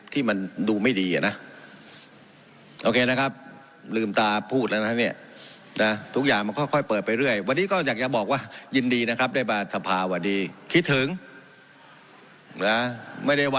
แต่ทั้งหมดต้องอาศัยความมืดจากทุกภาคส่วนผมโทษใครไม่ได้